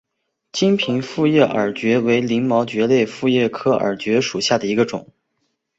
金平复叶耳蕨为鳞毛蕨科复叶耳蕨属下的一个种。